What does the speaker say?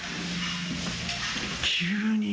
急に。